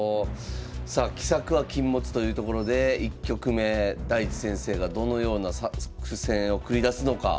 さあ奇策は禁物というところで１局目大地先生がどのような作戦を繰り出すのか。